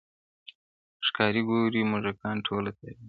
ښکاري ګوري موږکان ټوله تاوېږي.